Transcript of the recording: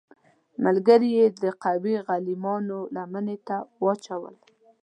ملګري یې د قوي غلیمانو لمنې ته واچول.